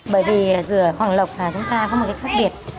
bởi vì dừa hoàng lộc chúng ta có một cái khác biệt